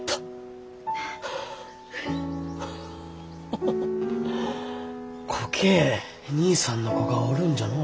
ハッハハハこけえ兄さんの子がおるんじゃのう。